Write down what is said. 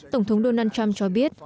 tổng thống donald trump cho biết